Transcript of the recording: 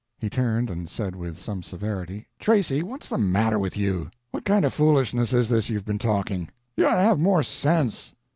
He turned, and said with some severity, "Tracy, what's the matter with you? What kind of foolishness is this you've been talking. You ought to have more sense."